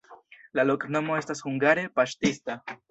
La loknomo estas hungare: paŝtista.